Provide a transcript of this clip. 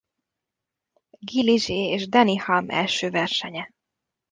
Guy Ligier és Denny Hulme első versenye.